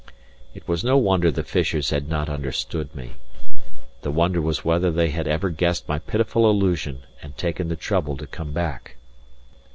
It was no wonder the fishers had not understood me. The wonder was rather that they had ever guessed my pitiful illusion, and taken the trouble to come back.